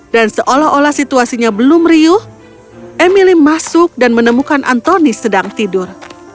dan seolah olah situasinya belum riuh emily masuk dan menemukan anthony sedang tidur